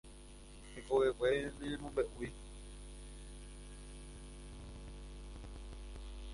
Hekovekue ñemombe'u.